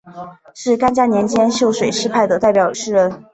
是干嘉年间秀水诗派的代表诗人。